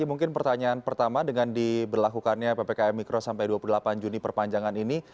mungkin pertanyaan pertama dengan diberlakukannya ppkm mikro sampai dua puluh delapan juni perpanjangan ini